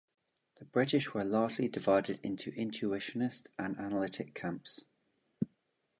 The British were largely divided into intuitionist and analytic camps.